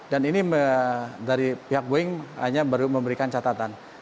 ini dari pihak boeing hanya baru memberikan catatan